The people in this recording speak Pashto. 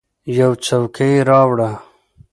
یوه څوکۍ راوړه !